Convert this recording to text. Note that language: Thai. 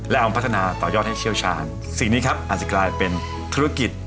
และเอาพัฒนาต่อยอดให้เชี่ยวชาญสิ่งนี้ครับอาจจะกลายเป็นธุรกิจ